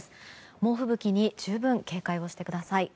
猛吹雪に十分警戒してください。